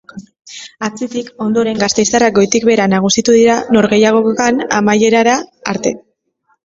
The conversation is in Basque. Aitzitik, ondoren, gasteiztarrak goitik behera nagusitu dira norgehiagokan amaierara arte.